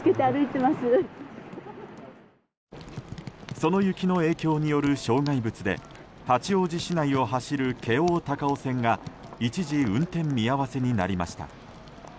その雪の影響による障害物で八王子市内を走る京王高尾線が一時運転見合わせになりました。